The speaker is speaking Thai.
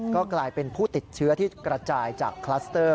ก็กลายเป็นผู้ติดเชื้อที่กระจายจากคลัสเตอร์